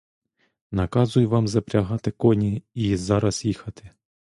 Наказую вам запрягати коні й зараз їхати!